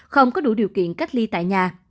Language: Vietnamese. không có đủ điều kiện cách ly tại nhà